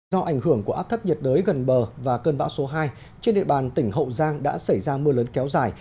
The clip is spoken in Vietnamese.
do ảnh hưởng của áp thấp nhiệt đới gần bờ và cơn bão số hai trên địa bàn tỉnh hậu giang đã xảy ra mưa lớn kéo dài